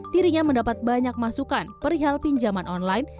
dirinya mendapat banyak masukan perihal pinjaman online